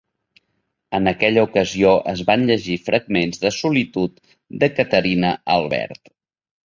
En aquella ocasió es van llegir fragments de Solitud de Caterina Albert.